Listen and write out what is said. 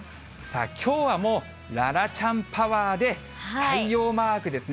きょうはもう楽々ちゃんパワーで、太陽マークですね。